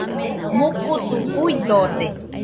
Mukutu juidode.